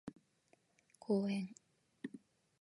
公園